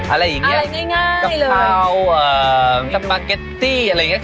อะไรอย่างเงี้ยอะไรง่ายง่ายเลยกะเพราเอ่ออะไรอย่างเงี้ย